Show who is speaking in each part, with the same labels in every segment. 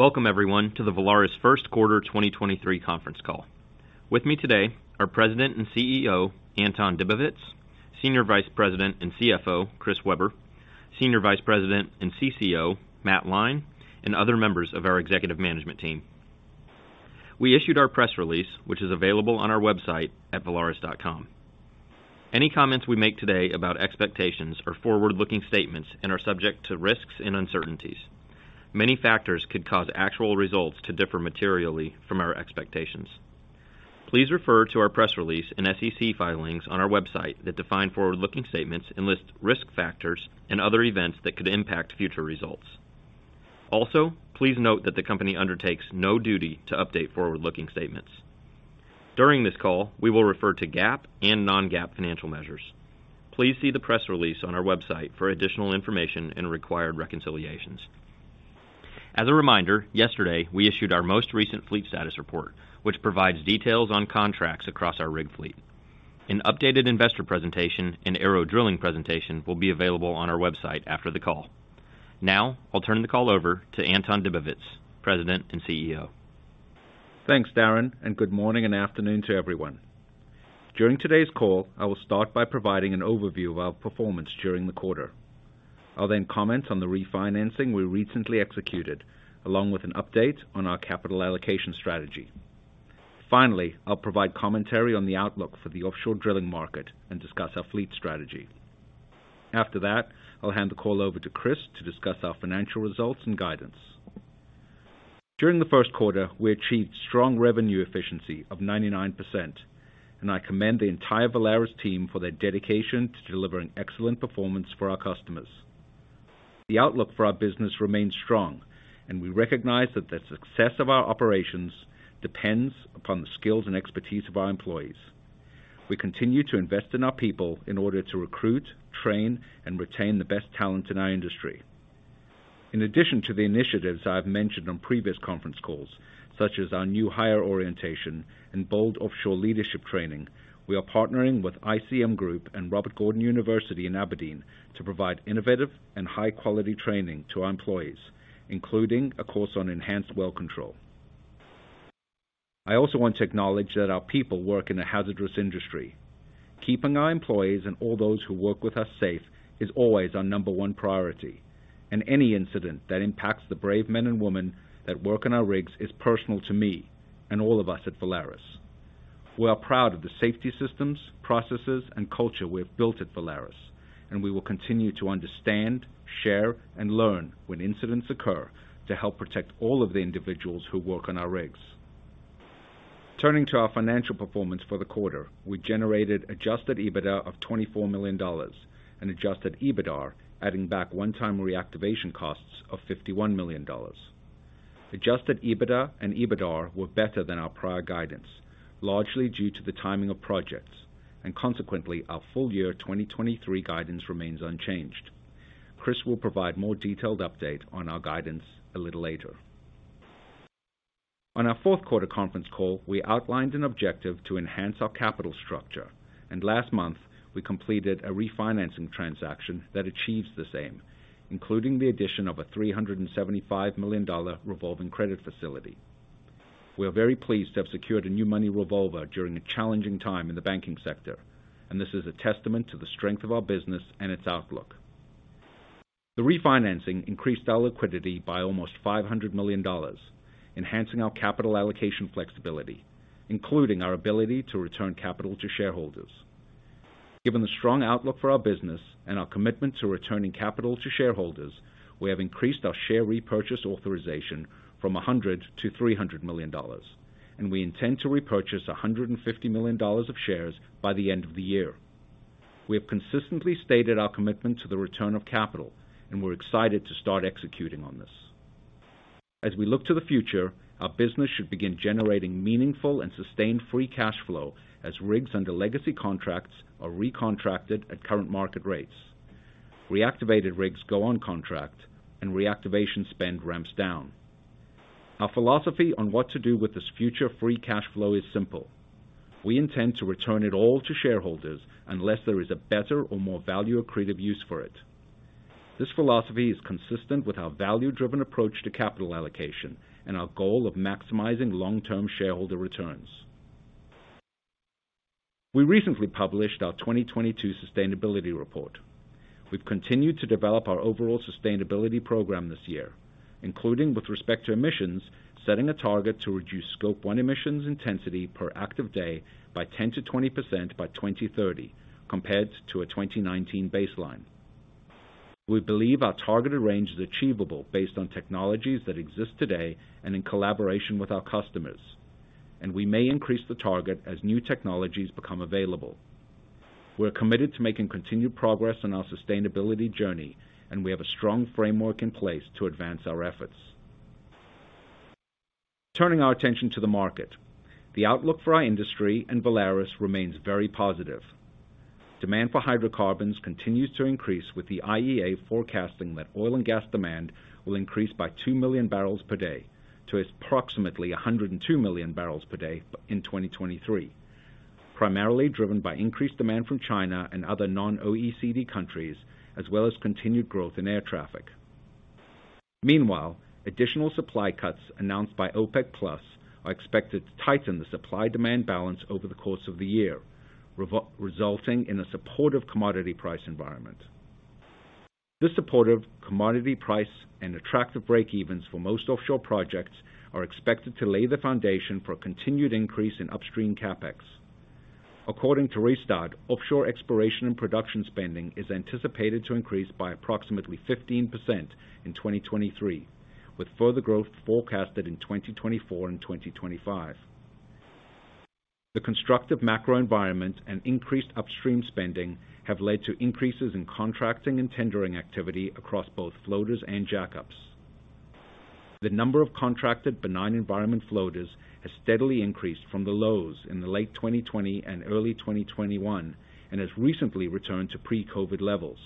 Speaker 1: Welcome everyone to the Valaris first quarter 2023 Conference Call. With me today are President and CEO, Anton Dibowitz, Senior Vice President and CFO, Chris Weber, Senior Vice President and CCO, Matt Lyne, and other members of our executive management team. We issued our press release, which is available on our website at valaris.com. Any comments we make today about expectations are forward-looking statements and are subject to risks and uncertainties. Many factors could cause actual results to differ materially from our expectations. Please refer to our press release and SEC filings on our website that define forward-looking statements and lists risk factors and other events that could impact future results. Please note that the company undertakes no duty to update forward-looking statements. During this call, we will refer to GAAP and non-GAAP financial measures. Please see the press release on our website for additional information and required reconciliations. As a reminder, yesterday, we issued our most recent fleet status report, which provides details on contracts across our rig fleet. An updated investor presentation and ARO Drilling presentation will be available on our website after the call. I'll turn the call over to Anton Dibowitz, President and CEO.
Speaker 2: Thanks, Darren. Good morning and afternoon to everyone. During today's call, I will start by providing an overview of our performance during the quarter. I'll then comment on the refinancing we recently executed, along with an update on our capital allocation strategy. Finally, I'll provide commentary on the outlook for the offshore drilling market and discuss our fleet strategy. After that, I'll hand the call over to Chris to discuss our financial results and guidance. During the first quarter, we achieved strong revenue efficiency of 99%, and I commend the entire Valaris team for their dedication to delivering excellent performance for our customers. The outlook for our business remains strong, and we recognize that the success of our operations depends upon the skills and expertise of our employees. We continue to invest in our people in order to recruit, train, and retain the best talent in our industry. In addition to the initiatives I've mentioned on previous conference calls, such as our new hire orientation and BOLD offshore leadership training, we are partnering with ICM Group and Robert Gordon University in Aberdeen to provide innovative and high-quality training to our employees, including a course on enhanced well control. I also want to acknowledge that our people work in a hazardous industry. Keeping our employees and all those who work with us safe is always our number one priority, and any incident that impacts the brave men and women that work on our rigs is personal to me and all of us at Valaris. We are proud of the safety systems, processes, and culture we have built at Valaris, and we will continue to understand, share, and learn when incidents occur to help protect all of the individuals who work on our rigs. Turning to our financial performance for the quarter, we generated adjusted EBITDA of $24 million and adjusted EBITDAR, adding back one-time reactivation costs of $51 million. Adjusted EBITDA and EBITDAR were better than our prior guidance, largely due to the timing of projects, consequently, our full-year 2023 guidance remains unchanged. Chris will provide more detailed update on our guidance a little later. On our fourth quarter conference call, we outlined an objective to enhance our capital structure. Last month, we completed a refinancing transaction that achieves the same, including the addition of a $375 million revolving credit facility. We are very pleased to have secured a new money revolver during a challenging time in the banking sector, this is a testament to the strength of our business and its outlook. The refinancing increased our liquidity by almost $500 million, enhancing our capital allocation flexibility, including our ability to return capital to shareholders. Given the strong outlook for our business and our commitment to returning capital to shareholders, we have increased our share repurchase authorization from $100 million to $300 million, and we intend to repurchase $150 million of shares by the end of the year. We have consistently stated our commitment to the return of capital. We're excited to start executing on this. We look to the future, our business should begin generating meaningful and sustained free cash flow as rigs under legacy contracts are recontracted at current market rates. Reactivated rigs go on contract. Reactivation spend ramps down. Our philosophy on what to do with this future free cash flow is simple. We intend to return it all to shareholders unless there is a better or more value accretive use for it. This philosophy is consistent with our value-driven approach to capital allocation and our goal of maximizing long-term shareholder returns. We recently published our 2022 sustainability report. We've continued to develop our overall sustainability program this year, including with respect to emissions, setting a target to reduce Scope one emissions intensity per active day by 10%-20% by 2030 compared to a 2019 baseline. We believe our targeted range is achievable based on technologies that exist today and in collaboration with our customers, and we may increase the target as new technologies become available. We're committed to making continued progress on our sustainability journey, and we have a strong framework in place to advance our efforts. Turning our attention to the market. The outlook for our industry and Valaris remains very positive. Demand for hydrocarbons continues to increase with the IEA forecasting that oil and gas demand will increase by 2 million barrels per day to approximately 102 million barrels per day in 2023. Primarily driven by increased demand from China and other non-OECD countries as well as continued growth in air traffic. Meanwhile, additional supply cuts announced by OPEC Plus are expected to tighten the supply-demand balance over the course of the year, resulting in a supportive commodity price environment. This supportive commodity price and attractive break-evens for most offshore projects are expected to lay the foundation for a continued increase in upstream CapEx. According to Rystad, offshore exploration and production spending is anticipated to increase by approximately 15% in 2023, with further growth forecasted in 2024 and 2025. The constructive macro environment and increased upstream spending have led to increases in contracting and tendering activity across both floaters and jack-ups. The number of contracted benign environment floaters has steadily increased from the lows in the late 2020 and early 2021, and has recently returned to pre-COVID levels.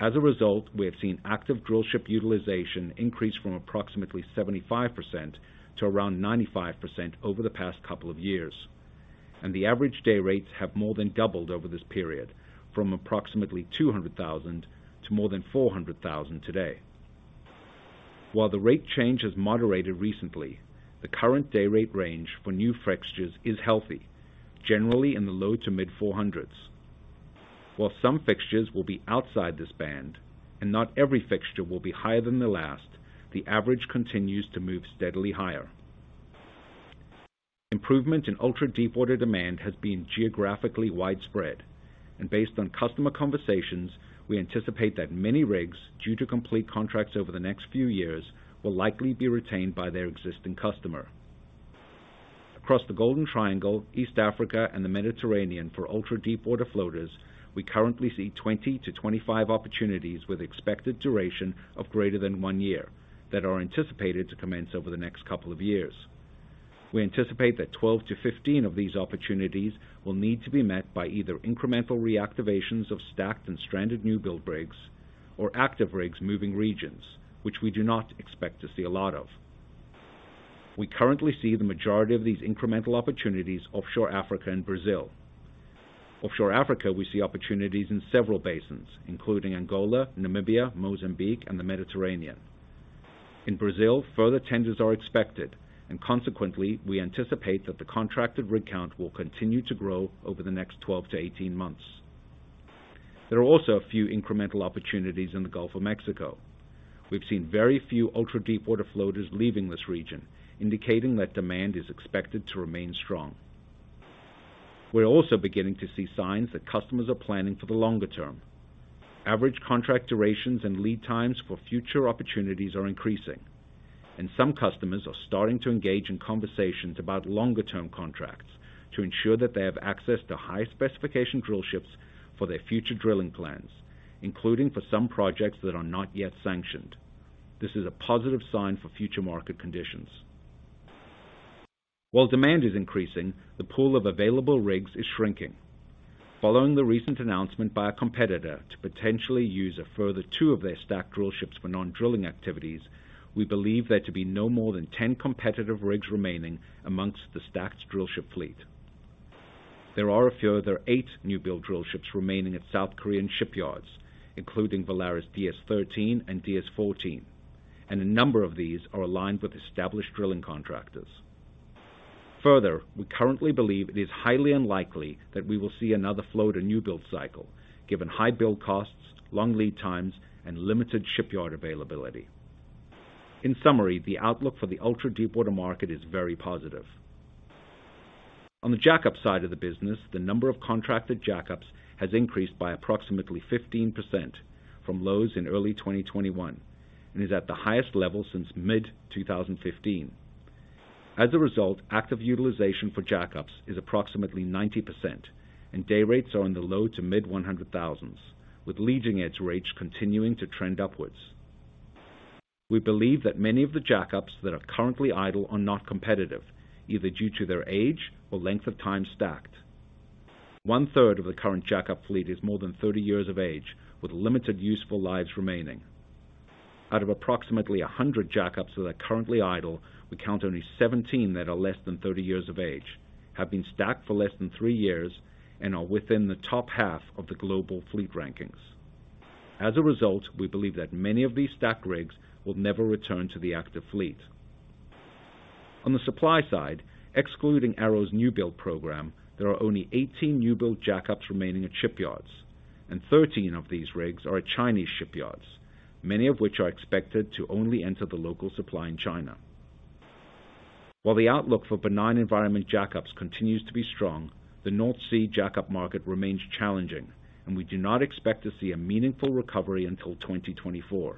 Speaker 2: As a result, we have seen active drillship utilization increase from approximately 75% to around 95% over the past couple of years, and the average day rates have more than doubled over this period from approximately $200,000 to more than $400,000 today. While the rate change has moderated recently, the current day rate range for new fixtures is healthy, generally in the low to mid $400s. While some fixtures will be outside this band and not every fixture will be higher than the last, the average continues to move steadily higher. Improvement in ultra deepwater demand has been geographically widespread and based on customer conversations, we anticipate that many rigs due to complete contracts over the next few years will likely be retained by their existing customer. Across the Golden Triangle, East Africa, and the Mediterranean for ultra deepwater floaters, we currently see 20-25 opportunities with expected duration of greater than 1 year that are anticipated to commence over the next couple of years. We anticipate that 12-15 of these opportunities will need to be met by either incremental reactivations of stacked and stranded new build rigs or active rigs moving regions which we do not expect to see a lot of. We currently see the majority of these incremental opportunities offshore Africa and Brazil. Offshore Africa, we see opportunities in several basins, including Angola, Namibia, Mozambique, and the Mediterranean. In Brazil, further tenders are expected. Consequently, we anticipate that the contracted rig count will continue to grow over the next 12-18 months. There are also a few incremental opportunities in the Gulf of Mexico. We've seen very few ultra deepwater floaters leaving this region, indicating that demand is expected to remain strong. We're also beginning to see signs that customers are planning for the longer term. Average contract durations and lead times for future opportunities are increasing. Some customers are starting to engage in conversations about longer term contracts to ensure that they have access to high specification drillships for their future drilling plans, including for some projects that are not yet sanctioned. This is a positive sign for future market conditions. While demand is increasing, the pool of available rigs is shrinking. Following the recent announcement by a competitor to potentially use a further two of their stacked drillships for non-drilling activities, we believe there to be no more than 10 competitive rigs remaining amongst the stacked drillship fleet. There are a further 8 new build drillships remaining at South Korean shipyards, including VALARIS DS-13 and DS-14, and a number of these are aligned with established drilling contractors. Further, we currently believe it is highly unlikely that we will see another floater new build cycle, given high build costs, long lead times, and limited shipyard availability. In summary, the outlook for the ultra deepwater market is very positive. On the jack-up side of the business, the number of contracted jack-ups has increased by approximately 15% from lows in early 2021 and is at the highest level since mid-2015. As a result, active utilization for jackups is approximately 90% and day rates are in the low to mid $100,000s, with leading edge rates continuing to trend upwards. We believe that many of the jackups that are currently idle are not competitive, either due to their age or length of time stacked. One third of the current jackup fleet is more than 30 years of age, with limited useful lives remaining. Out of approximately 100 jackups that are currently idle, we count only 17 that are less than 30 years of age, have been stacked for less than three years, and are within the top half of the global fleet rankings. As a result, we believe that many of these stacked rigs will never return to the active fleet. On the supply side, excluding ARO's new build program, there are only 18 new build jack-ups remaining at shipyards, and 13 of these rigs are at Chinese shipyards, many of which are expected to only enter the local supply in China. While the outlook for benign environment jack-ups continues to be strong, the North Sea jack-up market remains challenging, and we do not expect to see a meaningful recovery until 2024.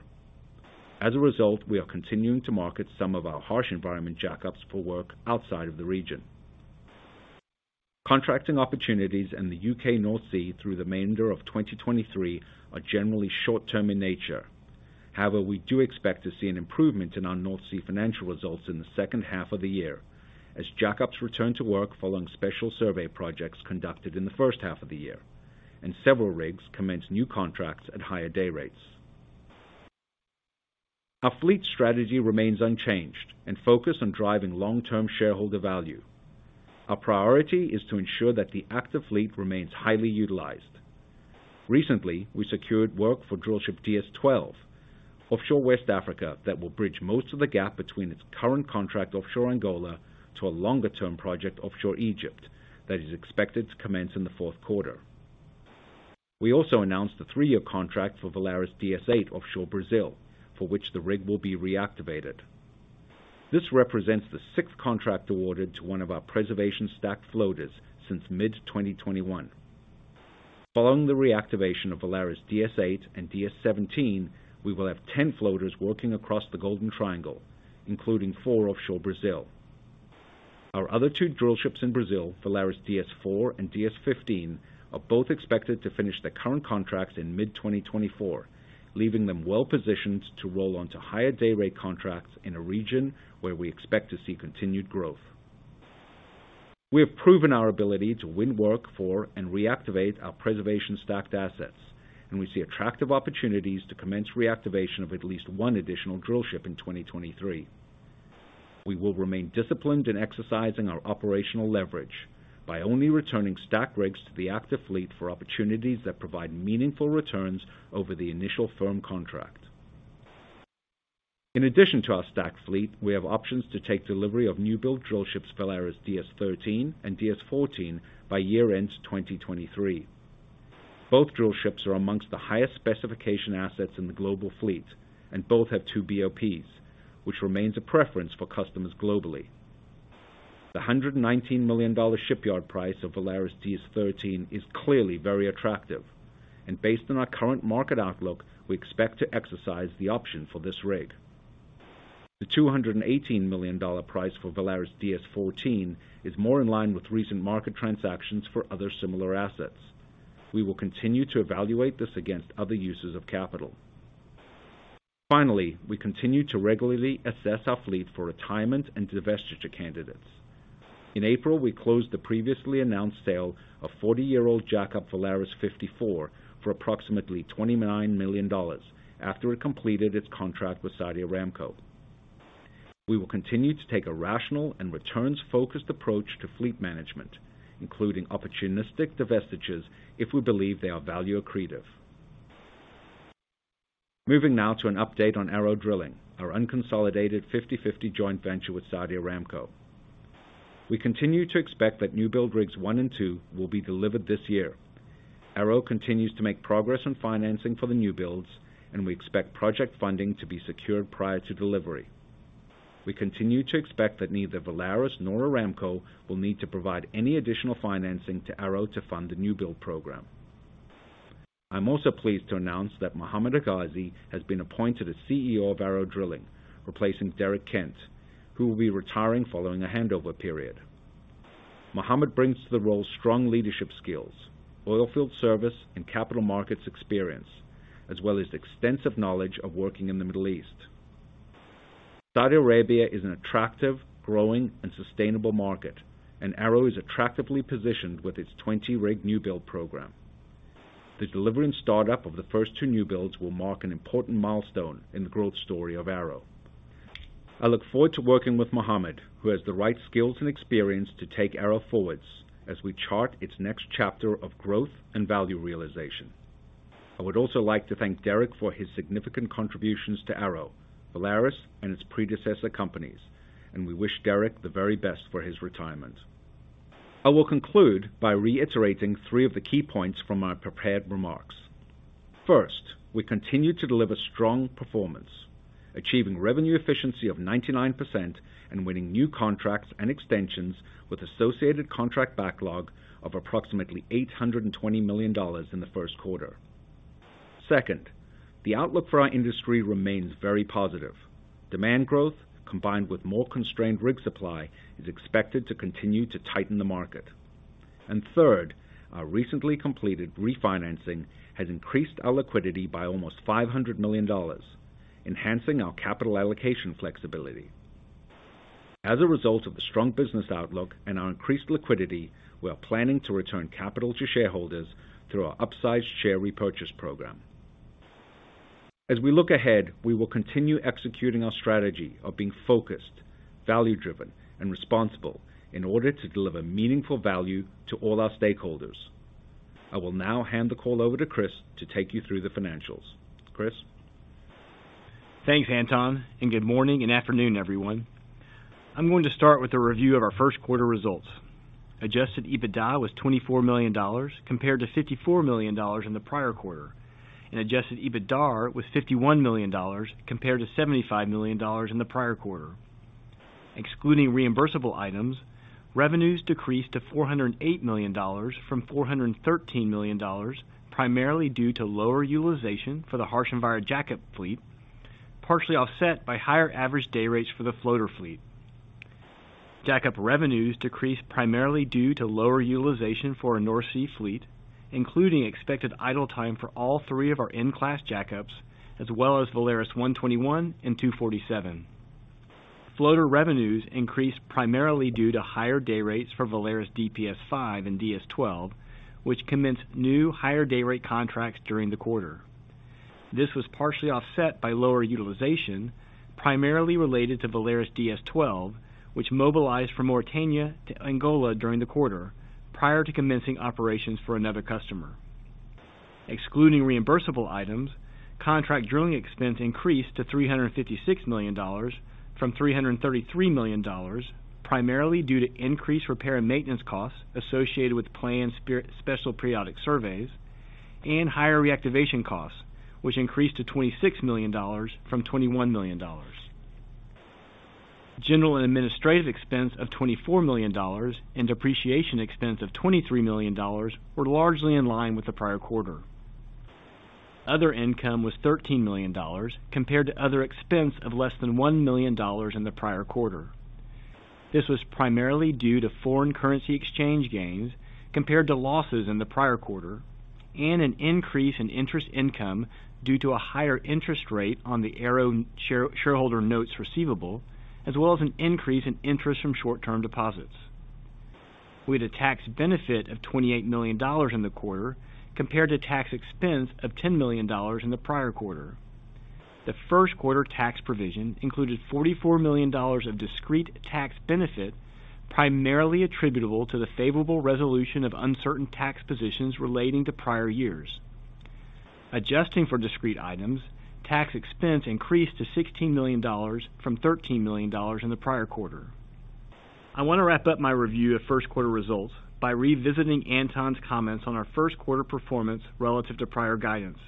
Speaker 2: As a result, we are continuing to market some of our harsh environment jack-ups for work outside of the region. Contracting opportunities in the U.K. North Sea through the remainder of 2023 are generally short-term in nature. However, we do expect to see an improvement in our North Sea financial results in the second half of the year as jack-ups return to work following special survey projects conducted in the first half of the year, and several rigs commence new contracts at higher day rates. Our fleet strategy remains unchanged and focused on driving long-term shareholder value. Our priority is to ensure that the active fleet remains highly utilized. Recently, we secured work for drillship DS-12 offshore West Africa that will bridge most of the gap between its current contract offshore Angola to a longer-term project offshore Egypt that is expected to commence in the fourth quarter. We also announced a three-year contract for VALARIS DS-8 offshore Brazil, for which the rig will be reactivated. This represents the sixth contract awarded to one of our preservation stacked floaters since mid-2021. Following the reactivation of VALARIS DS-8 and VALARIS DS-17, we will have 10 floaters working across the Golden Triangle, including four offshore Brazil. Our other two drillships in Brazil, VALARIS DS-4 and VALARIS DS-15, are both expected to finish their current contracts in mid-2024, leaving them well-positioned to roll onto higher day rate contracts in a region where we expect to see continued growth. We have proven our ability to win work for and reactivate our preservation stacked assets, and we see attractive opportunities to commence reactivation of at least one additional drillship in 2023. We will remain disciplined in exercising our operational leverage by only returning stacked rigs to the active fleet for opportunities that provide meaningful returns over the initial firm contract. In addition to our stacked fleet, we have options to take delivery of new build drillships VALARIS DS-13 and VALARIS DS-14 by year-end 2023. Both drillships are amongst the highest specification assets in the global fleet, and both have two BOPs, which remains a preference for customers globally. The $119 million shipyard price of VALARIS DS-13 is clearly very attractive. Based on our current market outlook, we expect to exercise the option for this rig. The $218 million price for VALARIS DS-14 is more in line with recent market transactions for other similar assets. We will continue to evaluate this against other uses of capital. Finally, we continue to regularly assess our fleet for retirement and divestiture candidates. In April, we closed the previously announced sale of 40-year-old jackup VALARIS 54 for approximately $29 million after it completed its contract with Saudi Aramco. We will continue to take a rational and returns-focused approach to fleet management, including opportunistic divestitures if we believe they are value accretive. Moving now to an update on ARO Drilling, our unconsolidated 50/50 joint venture with Saudi Aramco. We continue to expect that new build rigs one and two will be delivered this year. ARO continues to make progress on financing for the new builds, and we expect project funding to be secured prior to delivery. We continue to expect that neither Valaris nor Aramco will need to provide any additional financing to ARO to fund the new build program. I'm also pleased to announce that Mohamed Hegazi has been appointed as CEO of ARO Drilling, replacing Derek Kent, who will be retiring following a handover period. Mohammed brings to the role strong leadership skills, oilfield service, and capital markets experience, as well as extensive knowledge of working in the Middle East. Saudi Arabia is an attractive, growing, and sustainable market, and ARO is attractively positioned with its 20-rig new build program. The delivery and start-up of the first two new builds will mark an important milestone in the growth story of ARO. I look forward to working with Mohammed, who has the right skills and experience to take ARO forwards as we chart its next chapter of growth and value realization. I would also like to thank Derek for his significant contributions to ARO, Valaris, and its predecessor companies, and we wish Derek the very best for his retirement. I will conclude by reiterating three of the key points from my prepared remarks. First, we continue to deliver strong performance, achieving revenue efficiency of 99% and winning new contracts and extensions with associated contract backlog of approximately $820 million in the first quarter. Second, the outlook for our industry remains very positive. Demand growth, combined with more constrained rig supply, is expected to continue to tighten the market. Third, our recently completed refinancing has increased our liquidity by almost $500 million, enhancing our capital allocation flexibility. As a result of the strong business outlook and our increased liquidity, we are planning to return capital to shareholders through our upsized share repurchase program. As we look ahead, we will continue executing our strategy of being focused, value-driven, and responsible in order to deliver meaningful value to all our stakeholders. I will now hand the call over to Chris to take you through the financials. Chris?
Speaker 3: Thanks, Anton, good morning and afternoon, everyone. I'm going to start with a review of our first quarter results. Adjusted EBITDA was $24 million compared to $54 million in the prior quarter, and adjusted EBITDAR was $51 million compared to $75 million in the prior quarter. Excluding reimbursable items, revenues decreased to $408 million from $413 million, primarily due to lower utilization for the harsh environment jackup fleet, partially offset by higher average day rates for the floater fleet. Jackup revenues decreased primarily due to lower utilization for our North Sea fleet, including expected idle time for all three of our in-class jackups, as well as VALARIS 121 and VALARIS 247. Floater revenues increased primarily due to higher day rates for VALARIS DPS-5 and VALARIS DS-12, which commenced new higher day rate contracts during the quarter. This was partially offset by lower utilization, primarily related to VALARIS DS-12, which mobilized from Mauritania to Angola during the quarter prior to commencing operations for another customer. Excluding reimbursable items, contract drilling expense increased to $356 million from $333 million, primarily due to increased repair and maintenance costs associated with planned special periodic surveys and higher reactivation costs, which increased to $26 million from $21 million. General and administrative expense of $24 million and depreciation expense of $23 million were largely in line with the prior quarter. Other income was $13 million compared to other expense of less than $1 million in the prior quarter. This was primarily due to foreign currency exchange gains compared to losses in the prior quarter and an increase in interest income due to a higher interest rate on the ARO shareholder notes receivable, as well as an increase in interest from short-term deposits. We had a tax benefit of $28 million in the quarter compared to tax expense of $10 million in the prior quarter. The first quarter tax provision included $44 million of discrete tax benefit, primarily attributable to the favorable resolution of uncertain tax positions relating to prior years. Adjusting for discrete items, tax expense increased to $16 million from $13 million in the prior quarter. I want to wrap up my review of first quarter results by revisiting Anton's comments on our first quarter performance relative to prior guidance.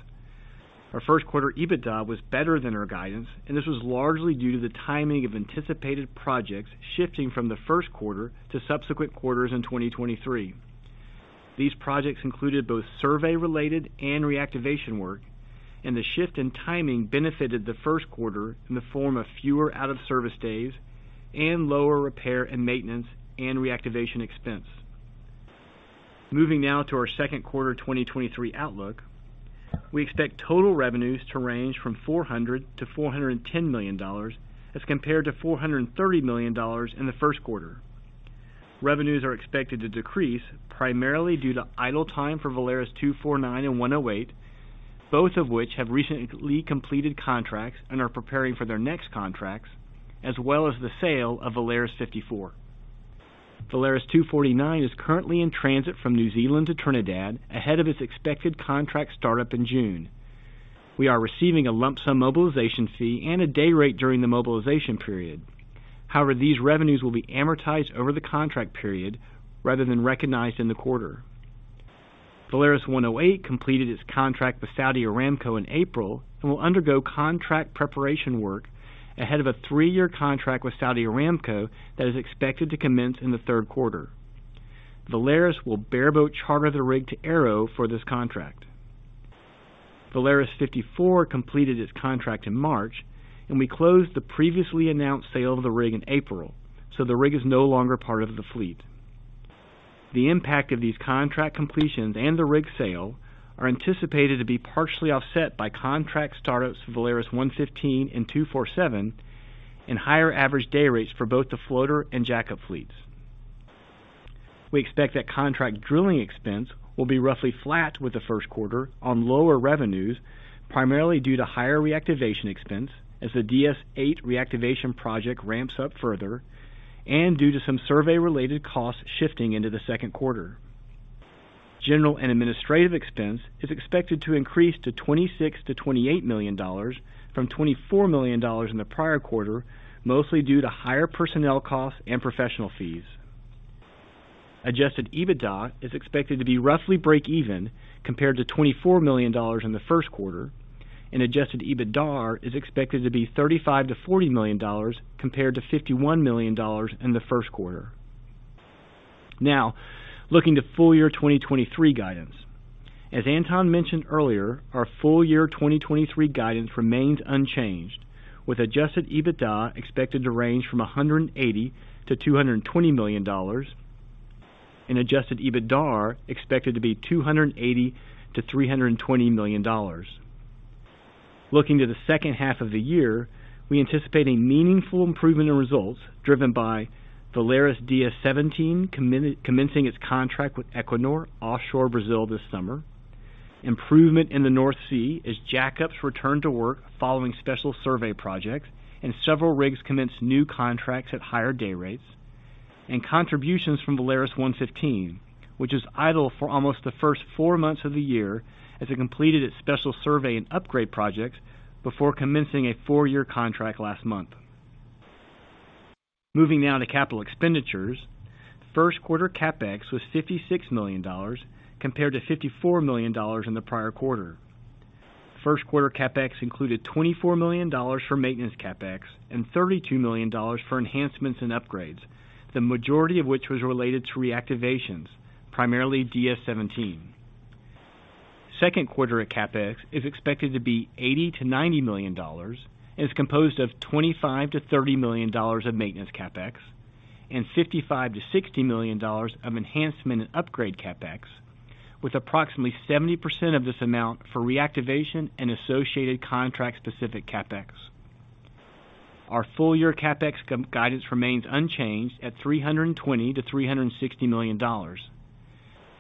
Speaker 3: Our first quarter EBITDA was better than our guidance. This was largely due to the timing of anticipated projects shifting from the first quarter to subsequent quarters in 2023. These projects included both survey-related and reactivation work. The shift in timing benefited the first quarter in the form of fewer out-of-service days and lower repair and maintenance and reactivation expense. Moving now to our second quarter 2023 outlook. We expect total revenues to range from $400 million-$410 million as compared to $430 million in the first quarter. Revenues are expected to decrease primarily due to idle time for VALARIS 249 and VALARIS 108, both of which have recently completed contracts and are preparing for their next contracts, as well as the sale of VALARIS 54. VALARIS 249 is currently in transit from New Zealand to Trinidad ahead of its expected contract startup in June. We are receiving a lump sum mobilization fee and a day rate during the mobilization period. These revenues will be amortized over the contract period rather than recognized in the quarter. VALARIS 108 completed its contract with Saudi Aramco in April and will undergo contract preparation work ahead of a three year contract with Saudi Aramco that is expected to commence in the third quarter. Valaris will bareboat charter the rig to ARO for this contract. VALARIS 54 completed its contract in March, and we closed the previously announced sale of the rig in April, so the rig is no longer part of the fleet. The impact of these contract completions and the rig sale are anticipated to be partially offset by contract startups VALARIS 115 and VALARIS 247 and higher average day rates for both the floater and jackup fleets. We expect that contract drilling expense will be roughly flat with the first quarter on lower revenues, primarily due to higher reactivation expense as the VALARIS DS-8 reactivation project ramps up further and due to some survey-related costs shifting into the second quarter. General and administrative expense is expected to increase to $26 million-$28 million from $24 million in the prior quarter, mostly due to higher personnel costs and professional fees. Adjusted EBITDA is expected to be roughly break even compared to $24 million in the first quarter, and adjusted EBITDAR is expected to be $35 million-$40 million compared to $51 million in the first quarter. Looking to full year 2023 guidance. As Anton mentioned earlier, our full year 2023 guidance remains unchanged, with adjusted EBITDA expected to range from $180 million-$220 million and adjusted EBITDAR expected to be $280 million-$320 million. Looking to the second half of the year, we anticipate a meaningful improvement in results driven by VALARIS DS-17 commencing its contract with Equinor offshore Brazil this summer. Improvement in the North Sea as jackups return to work following special survey projects and several rigs commence new contracts at higher day rates and contributions from VALARIS 115, which is idle for almost the first four months of the year as it completed its special survey and upgrade projects before commencing a four-year contract last month. Moving now to capital expenditures. First quarter CapEx was $56 million compared to $54 million in the prior quarter. First quarter CapEx included $24 million for maintenance CapEx and $32 million for enhancements and upgrades, the majority of which was related to reactivations, primarily VALARIS DS-17. Second quarter CapEx is expected to be $80 million-$90 million and is composed of $25 million-$30 million of maintenance CapEx and $55 million-$60 million of enhancement and upgrade CapEx. With approximately 70% of this amount for reactivation and associated contract-specific CapEx. Our full-year CapEx guidance remains unchanged at $320 million-$360 million.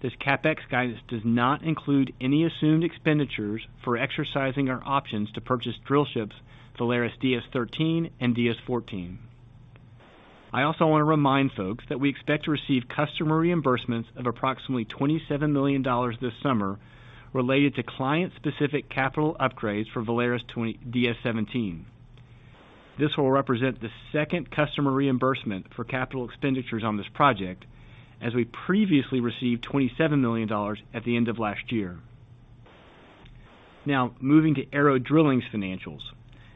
Speaker 3: This CapEx guidance does not include any assumed expenditures for exercising our options to purchase drillships, VALARIS DS-13 and VALARIS DS-14. I also wanna remind folks that we expect to receive customer reimbursements of approximately $27 million this summer related to client-specific capital upgrades for VALARIS DS-17. This will represent the second customer reimbursement for capital expenditures on this project, as we previously received $27 million at the end of last year. Now, moving to ARO Drilling's financials.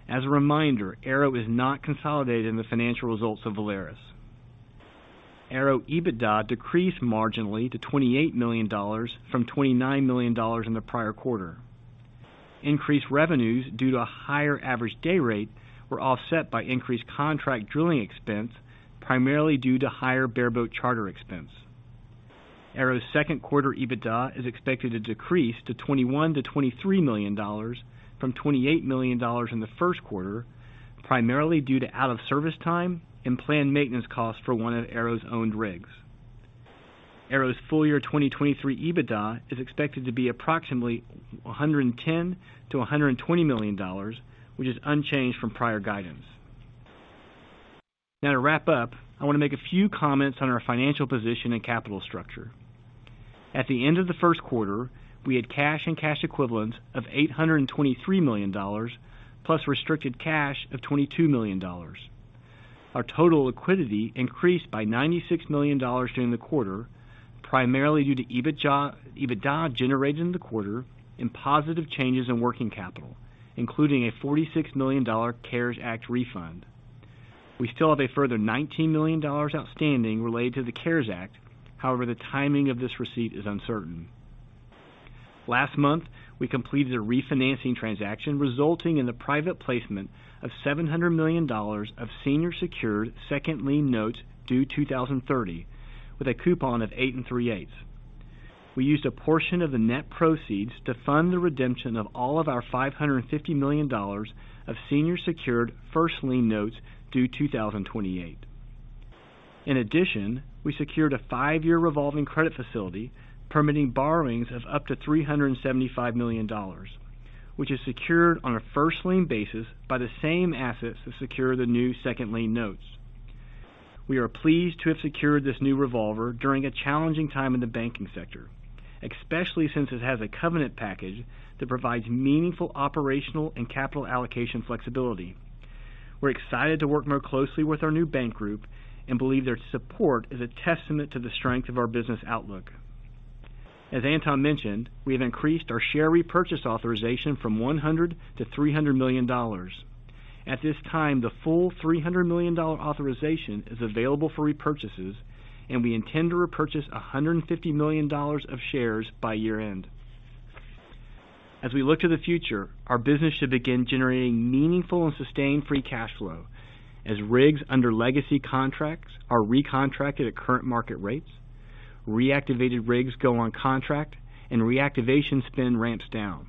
Speaker 3: As a reminder, ARO is not consolidated in the financial results of Valaris. ARO EBITDA decreased marginally to $28 million from $29 million in the prior quarter. Increased revenues due to a higher average day rate were offset by increased contract drilling expense, primarily due to higher bareboat charter expense. ARO's second quarter EBITDA is expected to decrease to $21 million-$23 million from $28 million in the first quarter, primarily due to out-of-service time and planned maintenance costs for one of ARO's owned rigs. ARO's full-year 2023 EBITDA is expected to be approximately $110 million-$120 million, which is unchanged from prior guidance. To wrap up, I wanna make a few comments on our financial position and capital structure. At the end of the first quarter, we had cash and cash equivalents of $823 million plus restricted cash of $22 million. Our total liquidity increased by $96 million during the quarter, primarily due to EBITDA generated in the quarter and positive changes in working capital, including a $46 million CARES Act refund. We still have a further $19 million outstanding related to the CARES Act. However, the timing of this receipt is uncertain. Last month, we completed a refinancing transaction resulting in the private placement of $700 million of Senior Secured Second Lien Notes due 2030 with a coupon of 8 3/8%. We used a portion of the net proceeds to fund the redemption of all of our $550 million of Senior Secured First Lien Notes due 2028. In addition, we secured a five-year revolving credit facility permitting borrowings of up to $375 million, which is secured on a first lien basis by the same assets that secure the new second lien notes. We are pleased to have secured this new revolver during a challenging time in the banking sector, especially since it has a covenant package that provides meaningful operational and capital allocation flexibility. We're excited to work more closely with our new bank group and believe their support is a testament to the strength of our business outlook. As Anton mentioned, we have increased our share repurchase authorization from $100-$300 million. At this time, the full $300 million authorization is available for repurchases, and we intend to repurchase $150 million of shares by year-end. As we look to the future, our business should begin generating meaningful and sustained free cash flow as rigs under legacy contracts are recontracted at current market rates, reactivated rigs go on contract and reactivation spend ramps down.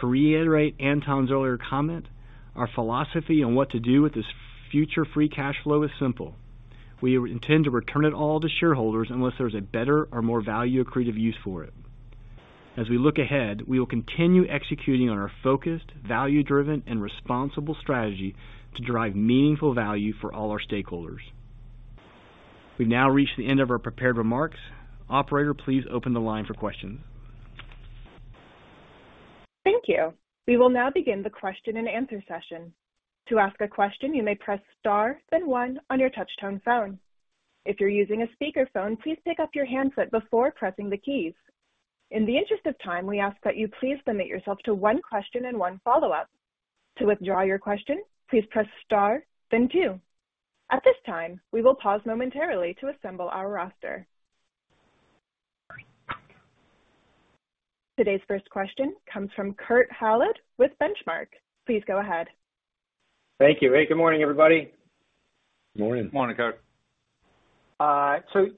Speaker 3: To reiterate Anton's earlier comment, our philosophy on what to do with this future free cash flow is simple. We intend to return it all to shareholders unless there's a better or more value-accretive use for it. As we look ahead, we will continue executing on our focused, value-driven, and responsible strategy to drive meaningful value for all our stakeholders. We now reach the end of our prepared remarks. Operator, please open the line for questions.
Speaker 4: Thank you. We will now begin the question-and-answer session. To ask a question, you may Press Star, then one on your touchtone phone. If you're using a speakerphone, please pick up your handset before pressing the keys. In the interest of time, we ask that you please limit yourself to one question and one follow-up. To withdraw your question, please Press Star, then two. At this time, we will pause momentarily to assemble our roster. Today's first question comes from Kurt Hallead with Benchmark. Please go ahead.
Speaker 5: Thank you. Hey, good morning, everybody.
Speaker 3: Morning.
Speaker 4: Morning, Kurt.
Speaker 5: Anton,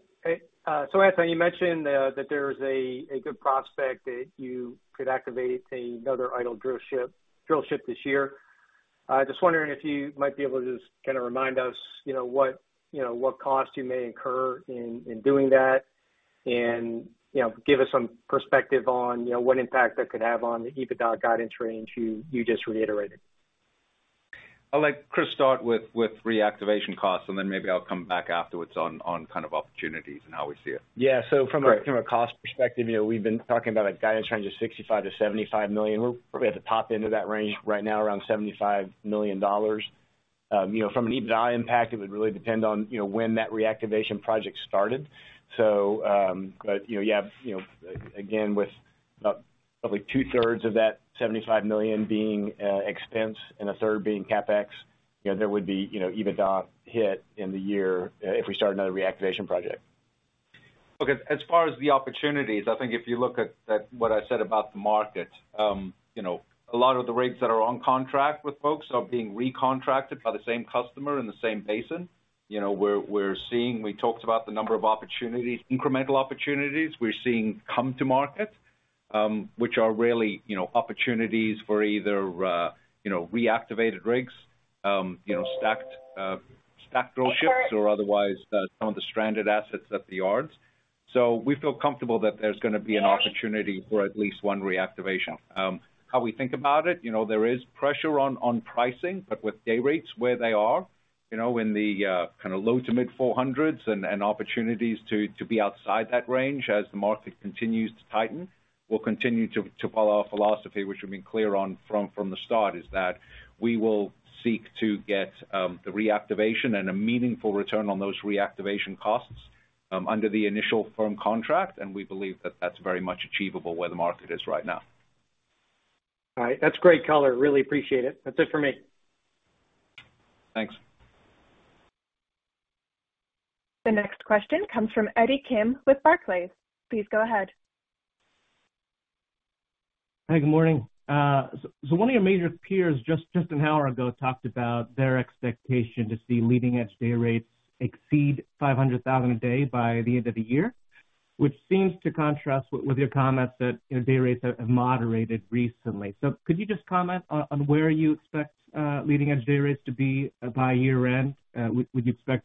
Speaker 5: you mentioned that there is a good prospect that you could activate another idle drillship this year. I was just wondering if you might be able to just kinda remind us, you know, what, you know, what cost you may incur in doing that and, you know, give us some perspective on, you know, what impact that could have on the EBITDA guidance range you just reiterated.
Speaker 2: I'll let Chris start with reactivation costs and then maybe I'll come back afterwards on kind of opportunities and how we see it.
Speaker 6: Yeah.
Speaker 5: Great.
Speaker 6: from a cost perspective, you know, we've been talking about a guidance range of $65 million-$75 million. We're probably at the top end of that range right now, around $75 million. you know, from an EBITDA impact, it would really depend on, you know, when that reactivation project started. you know, you have, you know, again, with about probably two-thirds of that $75 million being expense and a third being CapEx, you know, there would be, you know, EBITDA hit in the year if we start another reactivation project.
Speaker 3: Look, as far as the opportunities, I think if you look at what I said about the market, you know, a lot of the rigs that are on contract with folks are being recontracted by the same customer in the same basin. You know, we're seeing, we talked about the number of opportunities, incremental opportunities we're seeing come to market.
Speaker 2: Which are really, you know, opportunities for either, you know, reactivated rigs, you know, stacked drill ships or otherwise, some of the stranded assets at the yards. We feel comfortable that there's gonna be an opportunity for at least one reactivation. How we think about it, you know, there is pressure on pricing, but with dayrates where they are, you know, in the kind of low to mid $400s and opportunities to be outside that range as the market continues to tighten, we'll continue to follow our philosophy, which we've been clear on from the start, is that we will seek to get the reactivation and a meaningful return on those reactivation costs under the initial firm contract. We believe that that's very much achievable where the market is right now.
Speaker 5: All right. That's great color. Really appreciate it. That's it for me.
Speaker 2: Thanks.
Speaker 4: The next question comes from Eddie Kim with Barclays. Please go ahead.
Speaker 7: Hi, good morning. One of your major peers just an hour ago talked about their expectation to see leading edge dayrates exceed $500,000 a day by the end of the year, which seems to contrast with your comments that, you know, dayrates have moderated recently. Could you just comment on where you expect leading edge dayrates to be by year-end? Would you expect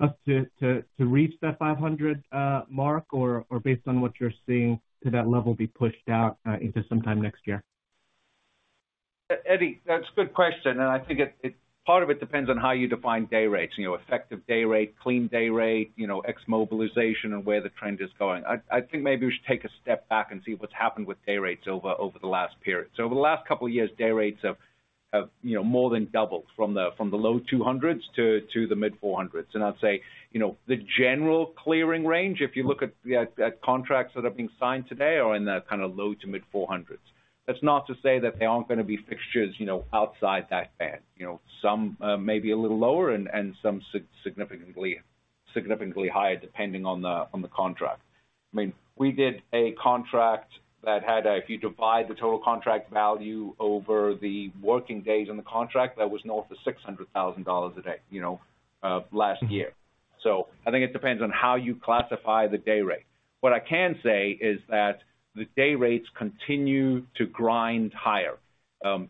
Speaker 7: us to reach that $500 mark, or based on what you're seeing, could that level be pushed out into sometime next year?
Speaker 2: Eddie, that's a good question, and I think it part of it depends on how you define dayrates, you know, effective dayrate, clean dayrate, you know, ex mobilization and where the trend is going. I think maybe we should take a step back and see what's happened with dayrates over the last period. Over the last couple of years, dayrates have, you know, more than doubled from the low 200s to the mid 400s. I'd say, you know, the general clearing range, if you look at contracts that are being signed today, are in the kind of low to mid 400s. That's not to say that there aren't gonna be fixtures, you know, outside that band. You know, some may be a little lower and some significantly higher depending on the contract. I mean, we did a contract that had. If you divide the total contract value over the working days on the contract, that was north of $600,000 a day, you know, last year. I think it depends on how you classify the dayrate. What I can say is that the dayrates continue to grind higher.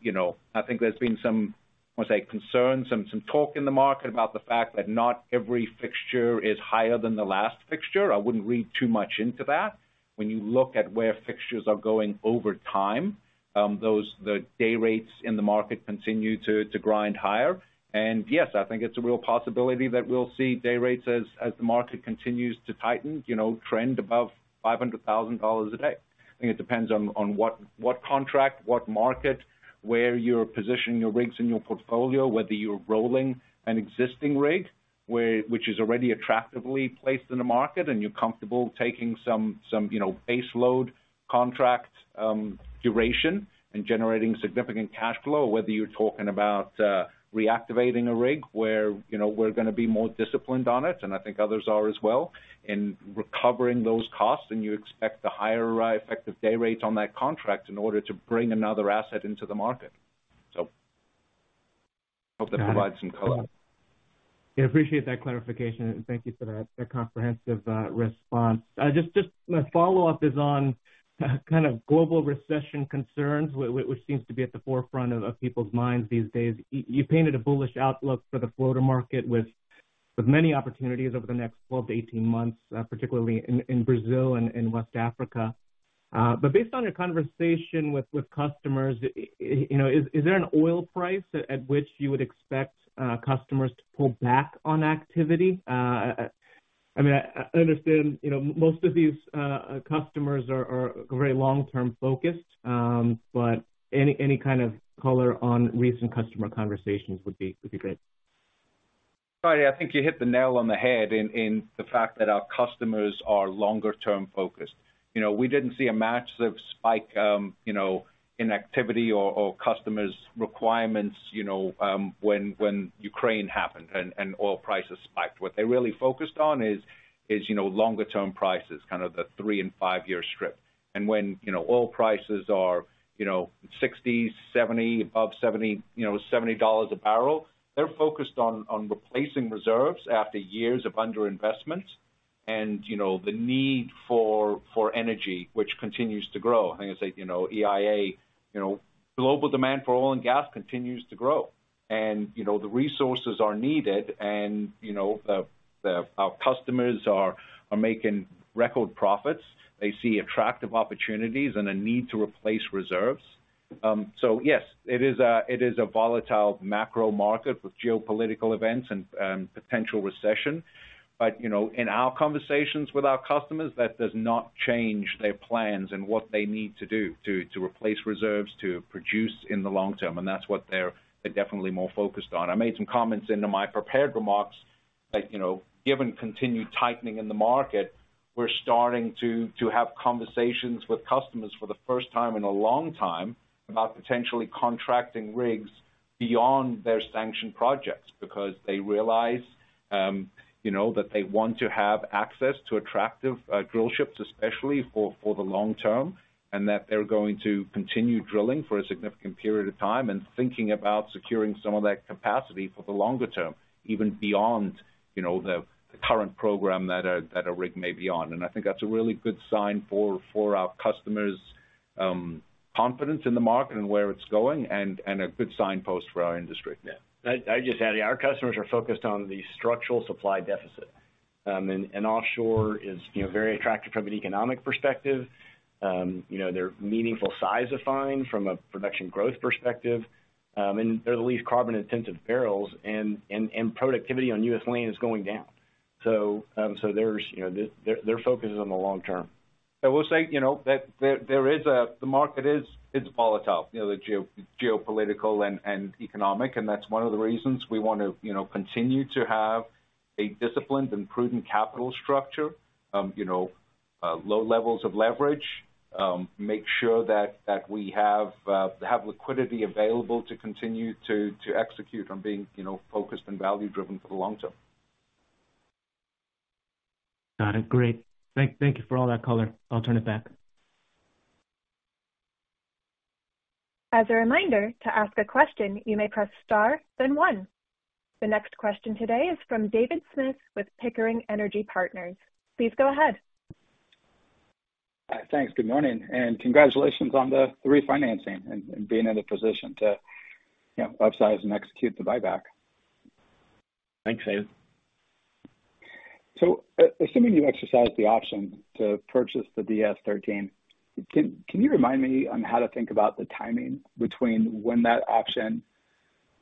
Speaker 2: You know, I think there's been some, I would say, concern, some talk in the market about the fact that not every fixture is higher than the last fixture. I wouldn't read too much into that. When you look at where fixtures are going over time, the dayrates in the market continue to grind higher. Yes, I think it's a real possibility that we'll see dayrates as the market continues to tighten, you know, trend above $500,000 a day. I think it depends on what contract, what market, where you're positioning your rigs in your portfolio, whether you're rolling an existing rig, which is already attractively placed in the market and you're comfortable taking some, you know, baseload contract duration and generating significant cash flow. Whether you're talking about reactivating a rig where, you know, we're gonna be more disciplined on it, and I think others are as well in recovering those costs, and you expect a higher effective dayrate on that contract in order to bring another asset into the market. Hope that provides some color.
Speaker 7: Yeah, appreciate that clarification, and thank you for that comprehensive response. Just my follow-up is on kind of global recession concerns, which seems to be at the forefront of people's minds these days. You painted a bullish outlook for the floater market with many opportunities over the next 12-18 months, particularly in Brazil and in West Africa. But based on your conversation with customers, you know, is there an oil price at which you would expect customers to pull back on activity? I mean, I understand, you know, most of these customers are very long-term focused, but any kind of color on recent customer conversations would be great.
Speaker 2: Eddie, I think you hit the nail on the head in the fact that our customers are longer term focused. You know, we didn't see a massive spike, you know, in activity or customers' requirements, you know, when Ukraine happened and oil prices spiked. What they really focused on is, you know, longer term prices, kind of the 3 and 5-year strip. When, you know, oil prices are, you know, 60, 70, above 70, you know, $70 a barrel, they're focused on replacing reserves after years of under-investment and, you know, the need for energy, which continues to grow. I think I said, you know, EIA, you know, global demand for oil and gas continues to grow. You know, the resources are needed and, you know, our customers are making record profits. They see attractive opportunities and a need to replace reserves. Yes, it is a volatile macro market with geopolitical events and, potential recession. You know, in our conversations with our customers, that does not change their plans and what they need to do to replace reserves, to produce in the long term, and that's what they're definitely more focused on. I made some comments into my prepared remarks that, you know, given continued tightening in the market, we're starting to have conversations with customers for the first time in a long time about potentially contracting rigs beyond their sanctioned projects because they realize, you know, that they want to have access to attractive drill ships, especially for the long term, and that they're going to continue drilling for a significant period of time and thinking about securing some of that capacity for the longer term, even beyond, you know, the current program that a rig may be on. I think that's a really good sign for our customers, confidence in the market and where it's going and a good signpost for our industry.
Speaker 6: Yeah. I just add, our customers are focused on the structural supply deficit. Offshore is, you know, very attractive from an economic perspective. You know, they're meaningful size of fine from a production growth perspective. They're the least carbon-intensive barrels and productivity on US lane is going down. So there's, you know, their focus is on the long term.
Speaker 2: I will say, you know, that there is the market is, it's volatile, you know, the geopolitical and economic, and that's one of the reasons we want to, you know, continue to have a disciplined and prudent capital structure, you know, low levels of leverage, make sure that we have liquidity available to continue to execute on being, you know, focused and value driven for the long term.
Speaker 7: Got it. Great. Thank you for all that color. I'll turn it back.
Speaker 4: As a reminder, to ask a question, you may press star then one. The next question today is from David Smith with Pickering Energy Partners. Please go ahead.
Speaker 8: Thanks. Good morning. Congratulations on the refinancing and being in a position to, you know, upsize and execute the buyback.
Speaker 6: Thanks, David.
Speaker 8: Assuming you exercise the option to purchase the DS-13, can you remind me on how to think about the timing between when that option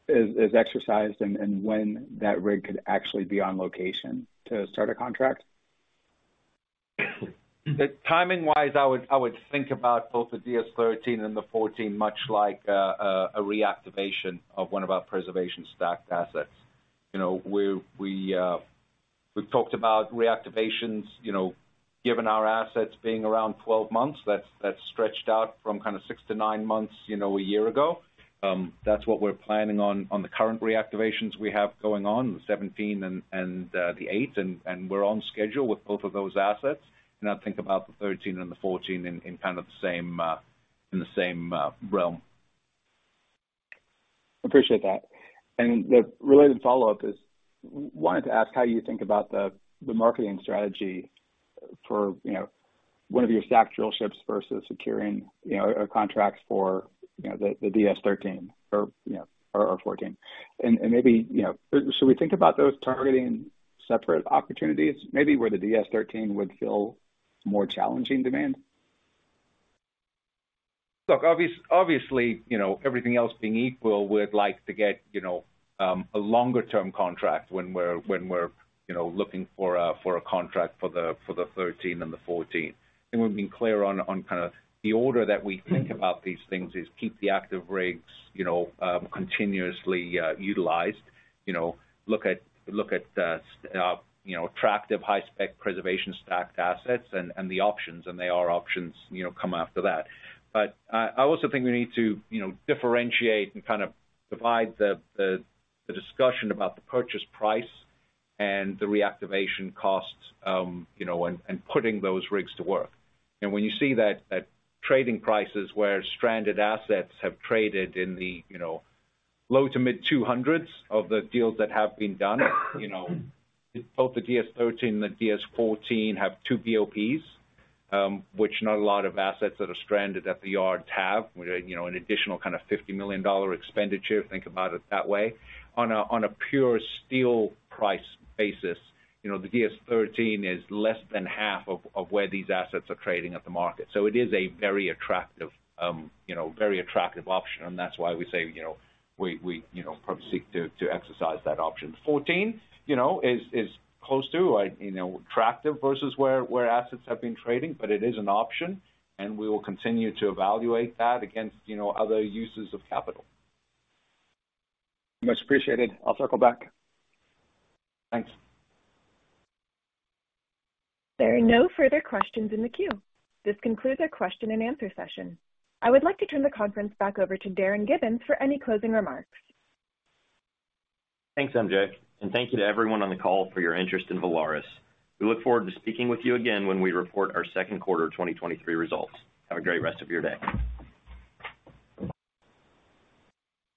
Speaker 8: is exercised and when that rig could actually be on location to start a contract?
Speaker 2: The timing-wise, I would think about both the DS-13 and the 14 much like a reactivation of one of our preservation stacked assets. You know, we've talked about reactivations, you know, given our assets being around 12 months, that's stretched out from kind of 6-9 months, you know, a year ago. That's what we're planning on the current reactivations we have going on, the 17 and the eight, and we're on schedule with both of those assets. I think about the 13 and the 14 in kind of the same, in the same realm.
Speaker 8: Appreciate that. The related follow-up is wanted to ask how you think about the marketing strategy for, you know, one of your stacked drillships versus securing, you know, a contract for, you know, the DS-13 or 14. Maybe, you know, should we think about those targeting separate opportunities, maybe where the DS-13 would fill more challenging demand?
Speaker 2: Look, obviously, you know, everything else being equal, we'd like to get, you know, a longer-term contract when we're, you know, looking for a contract for the 13 and the 14. I think we've been clear on kind of the order that we think about these things is keep the active rigs, you know, continuously utilized. You know, look at attractive high-spec preservation stacked assets and the options, and they are options, you know, come after that. I also think we need to, you know, differentiate and kind of divide the discussion about the purchase price and the reactivation costs, you know, and putting those rigs to work. When you see that trading prices where stranded assets have traded in the, you know, low to mid 200s of the deals that have been done, you know, both the DS-13 and the DS-14 have two BOPs, which not a lot of assets that are stranded at the yard have. You know, an additional kind of $50 million expenditure, think about it that way. On a, on a pure steel price basis, you know, the DS-13 is less than half of where these assets are trading at the market. It is a very attractive, you know, very attractive option, and that's why we say, you know, we, you know, seek to exercise that option. 14, you know, is close to, you know, attractive versus where assets have been trading. It is an option, and we will continue to evaluate that against, you know, other uses of capital.
Speaker 8: Much appreciated. I'll circle back.
Speaker 2: Thanks.
Speaker 4: There are no further questions in the queue. This concludes our question and answer session. I would like to turn the conference back over to Darin Gibbins for any closing remarks.
Speaker 1: Thanks, Andrea. Thank you to everyone on the call for your interest in Valaris. We look forward to speaking with you again when we report our second quarter 2023 results. Have a great rest of your day.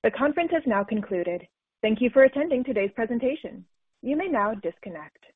Speaker 4: The conference has now concluded. Thank you for attending today's presentation. You may now disconnect.